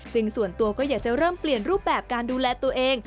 ซึ่งส่วนตัวก็อยากจะเริ่มเปลี่ยนรูปแบบการดูแลตัวเอง